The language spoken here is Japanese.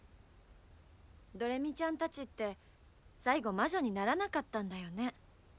どれみちゃんたちって最後魔女にならなかったんだよね。